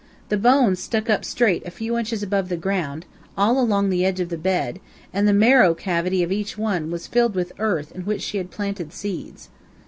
The bones stuck up straight a few inches above the ground, all along the edge of the bed, and the marrow cavity of each one was filled with earth in which she had planted seeds.